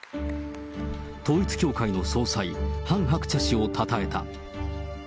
統一教会の総裁、ハン・ハクチャ氏をたたえた。